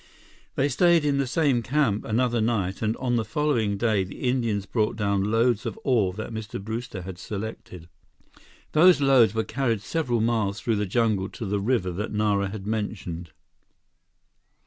They stayed in the same camp another night and on the following day, the Indians brought down loads of ore that Mr. Brewster had selected. Those loads were carried several miles through the jungle to the river that Nara had mentioned.